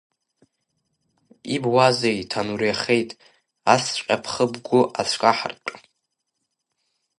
Ибуазеи, Ҭануриахеит, асҵәҟьа бхы бгәы ацәкаҳартә!